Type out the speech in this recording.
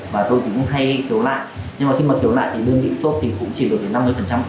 vì chúng tôi là republic